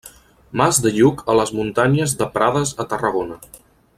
Mas de Lluc a les muntanyes de Prades a Tarragona.